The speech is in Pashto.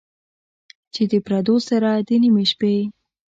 چې د پردو سره، د نیمې شپې،